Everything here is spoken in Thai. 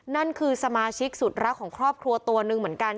นั่นคือสมาชิกสุดรักของครอบครัวตัวหนึ่งเหมือนกัน